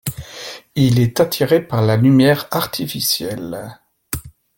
Il est attiré par la lumière artificielle.